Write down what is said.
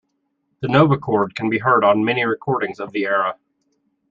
The Novachord can be heard on many recordings of the era.